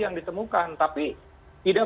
yang ditemukan tapi tidak